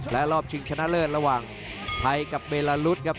และรอบชิงชนะเลิศระหว่างไทยกับเบลารุสครับ